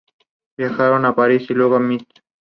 Es una zona propensa a que se produzcan esos fenómenos.